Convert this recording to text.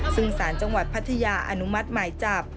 ซึ่งสารจังหวัดพัทยาอนุมัติหมายจับ